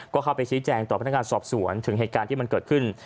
ก็เข้าไปชี้แจงต่อพนักงานสอบสวนถึงเหตุการณ์ที่มันเกิดขึ้น